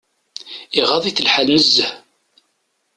Iɣaḍ-it lḥal nezzeh.